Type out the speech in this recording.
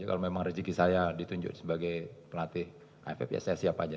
kalau memang rezeki saya ditunjuk sebagai pelatih aff ya saya siap aja